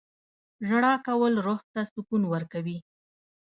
• ژړا کول روح ته سکون ورکوي.